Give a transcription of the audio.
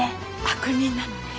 悪人なのね。